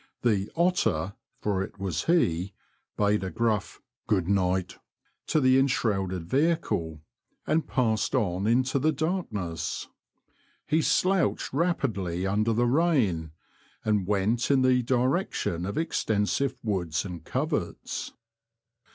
The ''Otter" (for it was he), bade a gruff '' good night " to the en shrouded vehicle and passed on into the darkness. He slouched rapidly under the rain, and went in the direction of extensive woods and coverts.